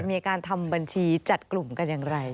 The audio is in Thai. มีการทำบัญชีจัดกลุ่มกันอย่างไร